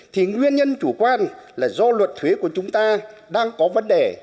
thì nguyên nhân chủ quan là do luật thuế của chúng ta đang có vấn đề